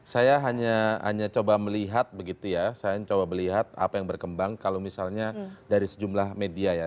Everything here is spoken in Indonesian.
saya hanya coba melihat begitu ya saya coba melihat apa yang berkembang kalau misalnya dari sejumlah media ya